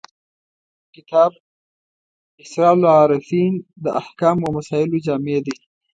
کتاب اسرار العارفین د احکامو او مسایلو جامع دی.